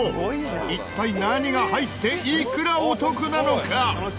一体、何が入っていくらお得なのか？